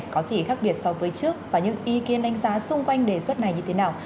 có gì khác biệt so với trước và những ý kiến đánh giá xung quanh đề xuất này như thế nào